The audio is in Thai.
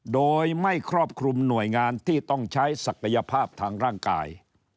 โดยไม่ครอบคลุมหน่วยงานที่ต้องใช้ศักยภาพทางร่างกาย